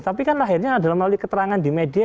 tapi kan lahirnya adalah melalui keterangan di media